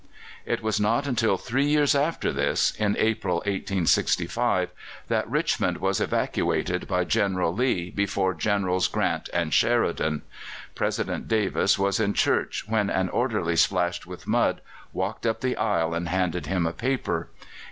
It was not until three years after this in April, 1865 that Richmond was evacuated by General Lee before Generals Grant and Sheridan. President Davis was in church when an orderly, splashed with mud, walked up the aisle and handed him a paper.